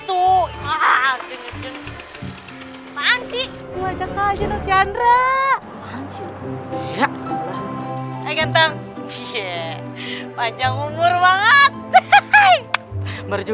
udah ikut aja dulu